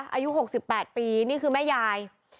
อายุหกสิบแปดปีนี่คือแม่ยาย